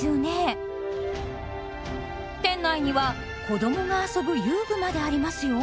店内には子どもが遊ぶ遊具までありますよ。